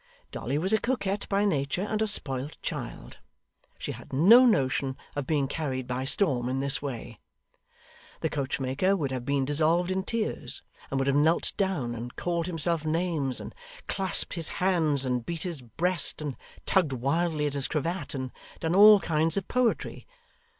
Dolly was a coquette by nature, and a spoilt child. She had no notion of being carried by storm in this way. The coachmaker would have been dissolved in tears, and would have knelt down, and called himself names, and clasped his hands, and beat his breast, and tugged wildly at his cravat, and done all kinds of poetry.